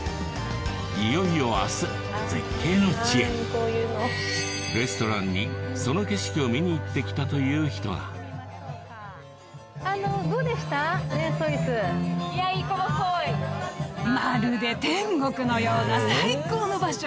いよいよ明日絶景の地へレストランにその景色を見にいってきたという人が何があるの？